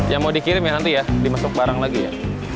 yang mau dikirim ya nanti ya dimasuk barang lagi ya